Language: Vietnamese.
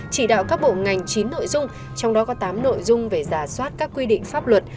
chỉ đạo các bộ ngành chín nội dung trong đó có tám nội dung về giả soát các quy định pháp luật